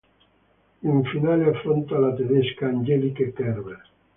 In finale affronta la tedesca Angelique Kerber.